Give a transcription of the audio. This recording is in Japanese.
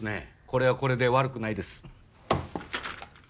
これはこれで悪くないです。